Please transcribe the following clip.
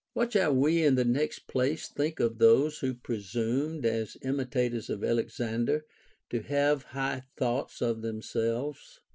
What shall we, in the next place, think of those who pre sumed, as imitators of Alexander, to have high thoughts of themselves